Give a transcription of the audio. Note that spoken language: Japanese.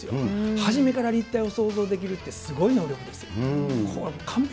初めから立体を想像できるっていうのは、すごい能力ですよ。